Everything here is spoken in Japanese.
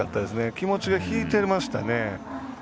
気持ちが引いてましたよね。